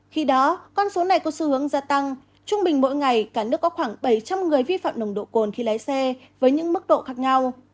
khi đó con số này có xu hướng gia tăng trung bình mỗi ngày cả nước có khoảng bảy trăm linh người vi phạm nồng độ cồn khi lái xe với những mức độ khác nhau